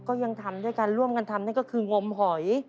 ก็ยังทำด้วยกันร่วมกันทำนั่นก็คืองมหอย